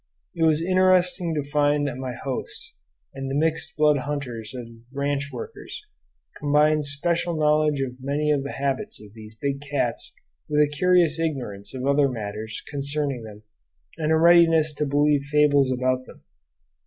It was interesting to find that my hosts, and the mixed blood hunters and ranch workers, combined special knowledge of many of the habits of these big cats with a curious ignorance of other matters concerning them and a readiness to believe fables about them.